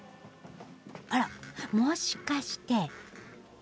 あらもしかして教会だ。